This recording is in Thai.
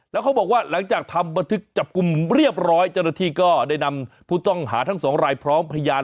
แล้วเขาบอกว่าหลังจากทำบันทึกจับกลุ่มเรียบร้อยเจ้าหน้าที่ก็ได้นำผู้ต้องหาทั้งสองรายพร้อมพยาน